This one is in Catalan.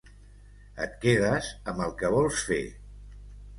Et quedes amb el que vols fer.